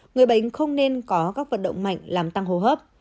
người bệnh không nên có các vận động mạnh làm tăng hồ hấp